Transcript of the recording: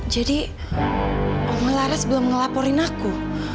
jadi oma laras belum ngelaporin aku